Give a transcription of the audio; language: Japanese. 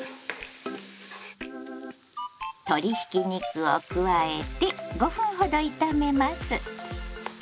鶏ひき肉を加えて５分ほど炒めます。